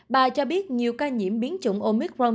bà cho biết nhiều ca nhiễm biến chủng omicron